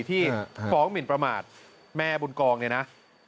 ที่ฟ้องหมินประมาทแม่บุญกองเนี่ยนะ